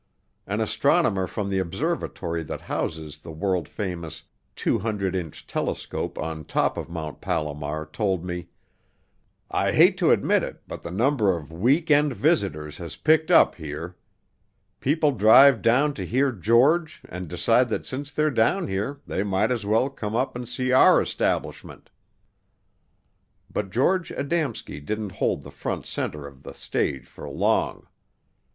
An astronomer from the observatory that houses the world famous 200 inch telescope on top of Mt. Palomar told me: "I hate to admit it but the number of week end visitors has picked up here. People drive down to hear George and decide that since they're down here they might as well come up and see our establishment." But George Adamski didn't hold the front center of the stage for long.